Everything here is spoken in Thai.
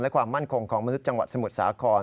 และความมั่นคงของมนุษย์จังหวัดสมุทรสาคร